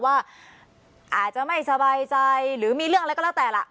ว่าอาจจะไม่สบายใจหรือมีเรื่องอะไรก็แล้วแต่ล่ะ